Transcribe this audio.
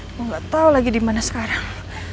aku nggak tahu lagi di mana sekarang